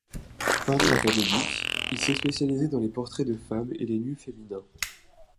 Peintre académique, il s'est spécialisé dans les portraits de femmes et les nus féminins.